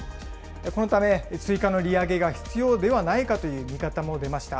このため、追加の利上げが必要ではないかという見方も出ました。